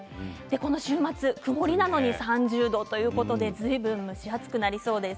この週末、曇りなのに３０度ということでずいぶん蒸し暑くなりそうです。